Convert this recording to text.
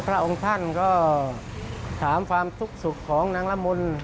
พระองค์ท่านก็ถามความทุกข์สุขของนางละมน